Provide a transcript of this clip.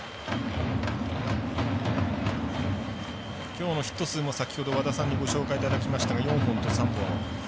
きょうのヒット数も先ほど和田さんにご紹介いただきましたが４本と３本。